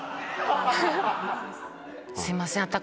すいません。